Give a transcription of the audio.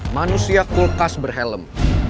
manusia kulkas ber helm